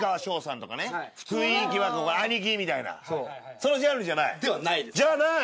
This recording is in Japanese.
そのジャンルじゃない？じゃない。